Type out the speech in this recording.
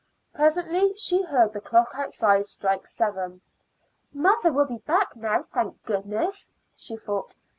Presently she heard the clock outside strike seven. "Mother will be back now, thank goodness!" she thought.